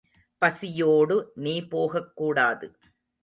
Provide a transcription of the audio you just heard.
பசியோடு நீ போகக்கூடாது.